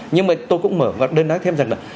nhưng mà tôi cũng mở đơn án thêm rằng là